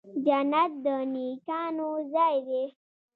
جنت د نیکانو ځای دی